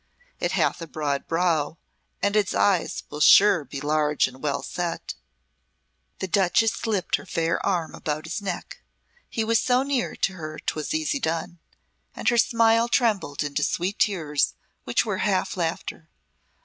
It hath a broad brow, and its eyes will sure be large and well set." The Duchess slipped her fair arm about his neck he was so near to her 'twas easy done and her smile trembled into sweet tears which were half laughter.